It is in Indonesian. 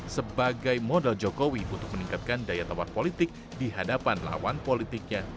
sebagai modal jokowi untuk meningkatkan daya tawar politik di hadapan lawan politiknya